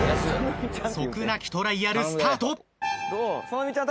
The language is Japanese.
即泣きトライアルスタート。